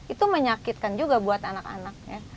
itu menyakitkan juga buat anak anak ya